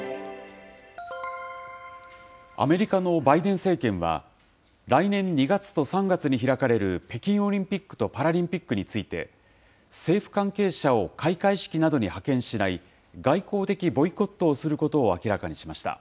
アメリカのバイデン政権は、来年２月と３月に開かれる北京オリンピックとパラリンピックについて、政府関係者を開会式などに派遣しない、外交的ボイコットをすることを明らかにしました。